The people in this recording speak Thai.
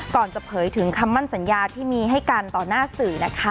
จะเผยถึงคำมั่นสัญญาที่มีให้กันต่อหน้าสื่อนะคะ